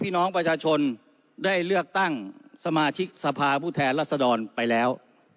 พี่น้องประชาชนได้เลือกตั้งสมาชิกสภาผู้แทนรัศดรไปแล้ว